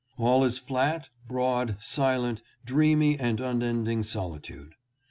All is flat, broad, silent, dreamy and unending solitude.